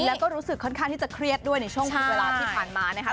แล้วก็รู้สึกค่อนข้างที่จะเครียดด้วยในช่วงเวลาที่ผ่านมานะครับ